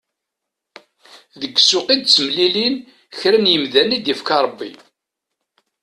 Deg ssuq i d-ttemlilin kra n yimdanen i d-yefka Rebbi.